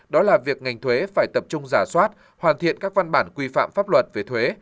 đó là việc ngành thuế phải tập trung giả soát hoàn thiện các văn bản quy phạm pháp luật về thuế